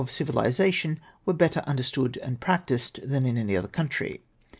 civilisation were l^etter understood and practised than in any other country.